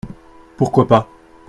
Pourquoi pas ?